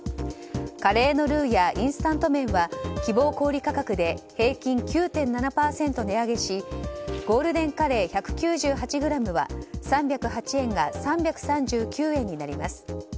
カレーのルウやインスタント麺は希望小売価格で平均９．７％値上げしゴールデンカレー１９８ｇは３０８円が３３９円になります。